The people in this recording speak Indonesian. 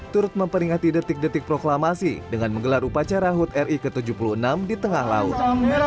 turut memperingati detik detik proklamasi dengan menggelar upacara hud ri ke tujuh puluh enam di tengah laut